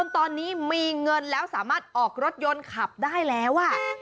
ตอนนี้มีเงินแล้วสามารถออกรถยนต์ขับได้แล้ว